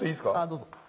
どうぞ。